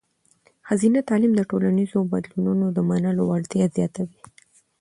ښځینه تعلیم د ټولنیزو بدلونونو د منلو وړتیا زیاتوي.